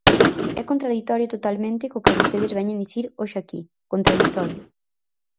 É contraditorio totalmente co que vostedes veñen dicir hoxe aquí, contraditorio.